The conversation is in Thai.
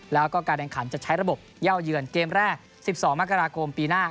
แล้วก็การแข่งขันจะใช้ระบบเย่าเยือนเกมแรก๑๒มกราคมปีหน้า